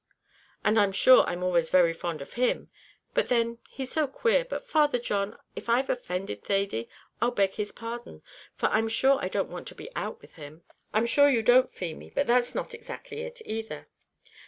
"And I'm sure I'm always very fond of him but then he's so queer; but, Father John, if I've offended Thady, I'll beg his pardon, for I'm sure I don't want to be out with him." "I'm sure you don't, Feemy; but that's not exactly it either.